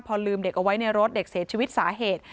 พอลืมเด็กเอาไว้ในรถเด็กเสียชีวิตสาเหตุ